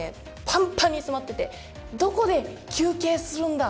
パンパンに詰まっててどこで休憩するんだ